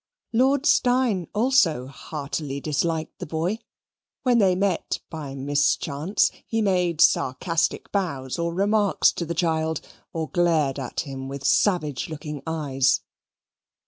Lord Steyne also heartily disliked the boy. When they met by mischance, he made sarcastic bows or remarks to the child, or glared at him with savage looking eyes.